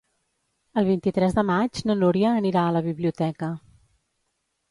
El vint-i-tres de maig na Núria anirà a la biblioteca.